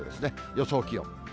予想気温。